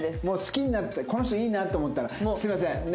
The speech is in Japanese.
もう好きになったらこの人いいなと思ったら「すいません。